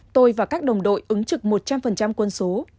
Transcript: tôi và các đồng đội ứng trực một trăm linh quân số